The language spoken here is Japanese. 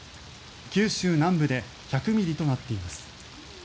九州南部で１００ミリとなっています。